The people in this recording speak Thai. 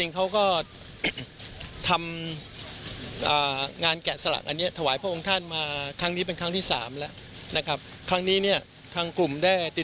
ผมถือว่าเป็นกิจกรรมที่ดี